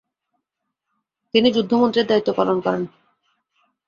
তিনি যুদ্ধমন্ত্রীর দায়িত্ব পালন করেন।